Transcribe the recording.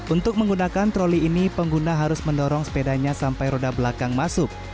untuk menggunakan troli ini pengguna harus mendorong sepedanya sampai roda belakang masuk